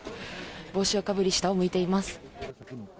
帽子をかぶり、下を向いています。